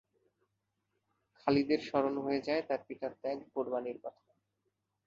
খালিদের স্মরণ হয়ে যায় তার পিতার ত্যাগ ও কুরবানীর কথা।